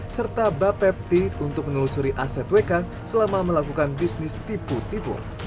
serta bapepti untuk menelusuri aset wk selama melakukan bisnis tipu tipu